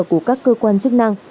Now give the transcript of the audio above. của các cơ quan chức năng